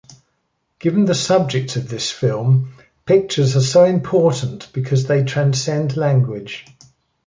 Given the subject of this film, pictures are so important because they transcend language.